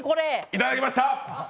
いただきました！